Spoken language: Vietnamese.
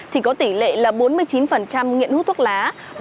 thì có tỷ lệ là bốn mươi chín nghiện hút thuốc lá